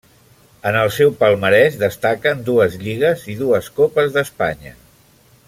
En el seu palmarès destaquen dues lligues i dues copes d'Espanya.